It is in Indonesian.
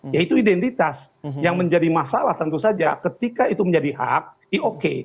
ya itu identitas yang menjadi masalah tentu saja ketika itu menjadi hak iya oke